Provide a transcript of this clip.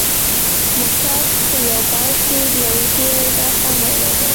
ممتاز په یو بیت کې د یوې پیړۍ داستان ویلی دی